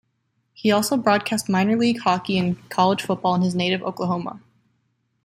He also broadcast minor league hockey and college football in his native Oklahoma.